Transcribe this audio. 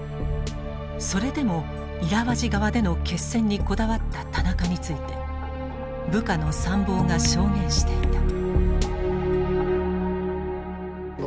それでもイラワジ河での決戦にこだわった田中について部下の参謀が証言していた。